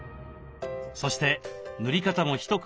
そして塗り方も一工夫が。